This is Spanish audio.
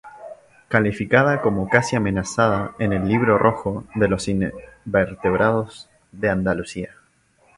Calificada como casi amenazada en el Libro Rojo de los Invertebrados de Andalucía.